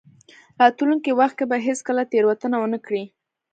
راتلونکي وخت کې به هېڅکله تېروتنه ونه کړئ.